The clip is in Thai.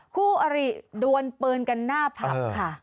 คู่อริดวนปืนกันหน้าผับค่ะ